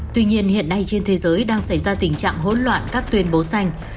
tuy nhiên hiện nay trên thế giới đang xảy ra tình trạng hỗn loạn các tuyên bố xanh